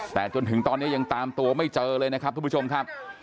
แต่จนถึงตอนนี้ยังตามตัวไม่เจอเลยนะครับทุกผู้ชมครับ